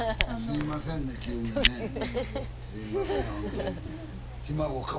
すいませんほんとに。